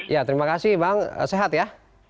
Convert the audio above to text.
ya terima kasih bang sehat ya